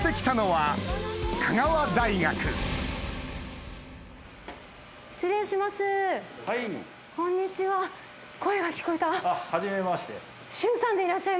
はい。